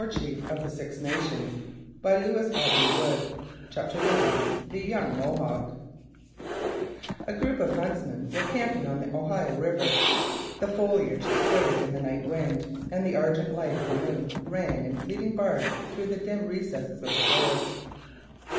THE PINE TREE TOTTERS BIBLIOGRAPHICAL NOTE CHAPTER I THE YOUNG MOHAWK A group of huntsmen were camping on the Ohio river. The foliage swayed in the night wind, and the argent light of the moon ran in fleeting bars through the dim recesses of the forest.